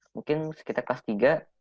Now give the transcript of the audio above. mungkin sekitar kelas tiga